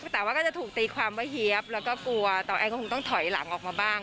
แต่ว่าก็จะถูกตีความว่าเฮียบแล้วก็กลัวต่อแอนก็คงต้องถอยหลังออกมาบ้าง